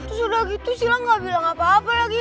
terus udah gitu sila nggak bilang apa apa lagi